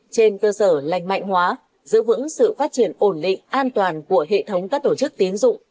trên cơ sở lành mạnh hóa giữ vững sự phát triển ổn định an toàn của hệ thống các tổ chức tiến dụng